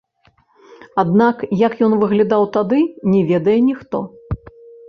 Аднак як ён выглядаў тады, не ведае ніхто.